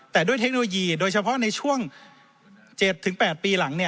แต่ด้วยเทคโนโลยีโดยเฉพาะในช่วง๗๘ปีหลัง